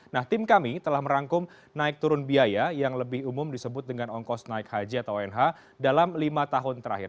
nah tim kami telah merangkum naik turun biaya yang lebih umum disebut dengan ongkos naik haji atau unh dalam lima tahun terakhir